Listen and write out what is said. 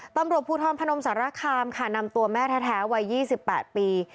ตำรวจภูทรพนมสารคามค่ะนำตัวแม่แท้วัย๒๘ปี